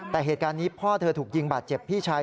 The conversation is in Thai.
แต่เหตุการณ์นี้พ่อเธอถูกยิงบาดเจ็บพี่ชาย